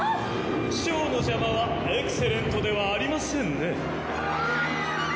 ショーの邪魔はエクセレントではありませんね。